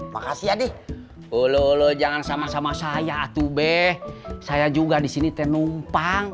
makasih ya di ulu ulu jangan sama sama saya tuh be saya juga disini tenumpang